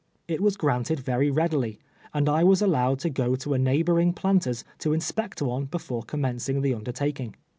It was "•ranted verv readilv, and I was allowed to go to a neighboring planter's to inspect one before commen cing the undertaking.